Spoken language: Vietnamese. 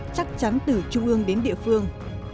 chắc chắn từ trung ương đến địa phương